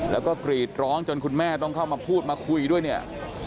แล้วก็กรีดร้องจนคุณแม่ต้องเข้ามาพูดมาคุยด้วยเนี่ย